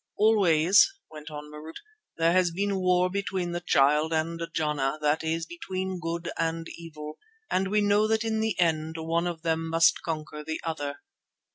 "Always," went on Marût, "there has been war between the Child and Jana, that is, between Good and Evil, and we know that in the end one of them must conquer the other."